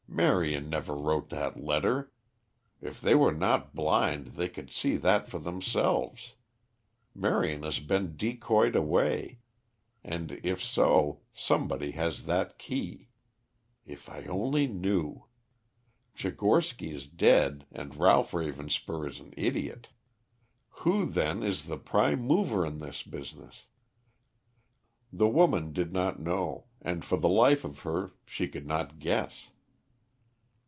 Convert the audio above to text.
"Marion never wrote that letter. If they were not blind they could see that for themselves. Marion has been decoyed away; and, if so, somebody has that key. If I only knew. Tchigorsky is dead and Ralph Ravenspur is an idiot. Who, then, is the prime mover in this business?" The woman did not know, and for the life of her she could not guess.